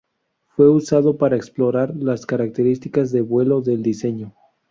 Fue usado para explorar las características de vuelo del diseño.